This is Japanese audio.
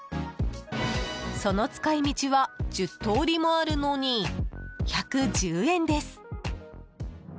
その使い道は１０通りもあるのに１１０円です。